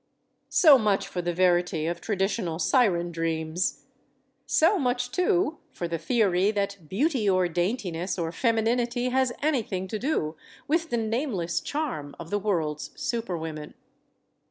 So much for the verity of traditional siren dreams! So much, too, for the theory that beauty or daintiness or feminity has anything to do with the nameless charm of the world's super women.